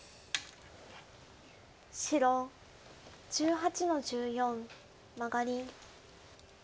白１８の十四マガリ。